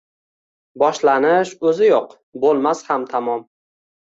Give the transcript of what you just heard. Boshlanish o‘zi yo‘q, bo‘lmas ham tamom!